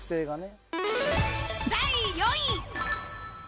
第４位。